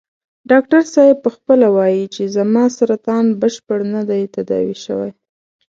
ډاکټر صاحب په خپله وايي چې زما سرطان بشپړ نه دی تداوي شوی.